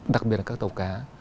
đặc biệt là các tàu cá